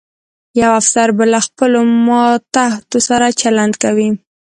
یو افسر به له خپلو ماتحتو سره چلند کوي.